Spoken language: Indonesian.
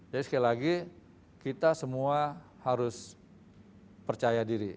jadi sekali lagi kita semua harus percaya diri